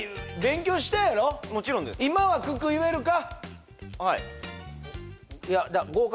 今は九九言えるか？